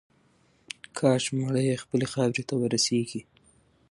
کاش مړی یې خپلې خاورې ته ورسیږي.